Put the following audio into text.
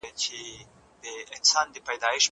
مه پرېږدئ چې مکروبونه ستاسو خوړو ته ننوځي.